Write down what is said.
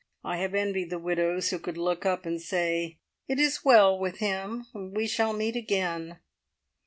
I have envied the widows who could look up and say, `It is well with him. We shall meet again.'